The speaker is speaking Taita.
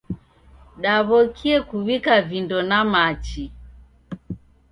Daw'okie kuw'ika vindo na machi.